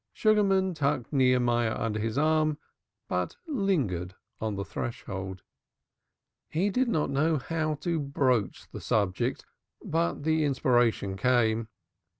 Sugarman tucked Nehemiah under his arm but lingered on the threshold. He did not know how to broach the subject. But the inspiration came.